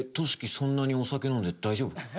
そんなにお酒飲んで大丈夫？